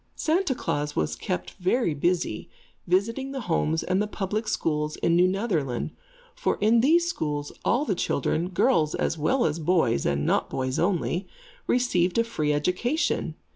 Santa Klaas was kept very busy visiting the homes and the public schools in New Netherland; for in these schools all the children, girls as well as boys, and not boys only, received a free education.